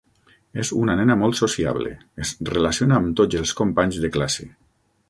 És una nena molt sociable, es relaciona amb tots els companys de classe.